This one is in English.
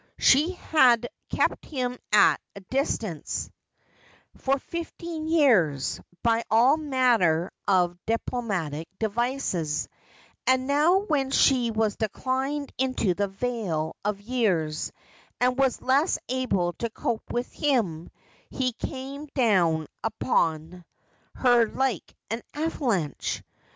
She had kept him at a distance for fifteen years by all manner of diplo matic devices ; and now when she was declined into the vale of years, and was less able to cope with him, he came down upon her like an avalanche.